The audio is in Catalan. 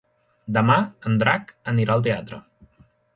Demà en Drac anirà al teatre.